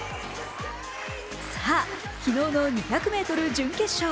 さぁ、昨日の２００ｍ準決勝。